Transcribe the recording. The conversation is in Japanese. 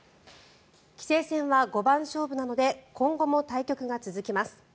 棋聖戦は五番勝負なので今後も対局が続きます。